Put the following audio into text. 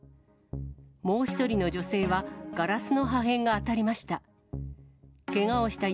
もう１人の女性は、ガラスの破片が当たりました。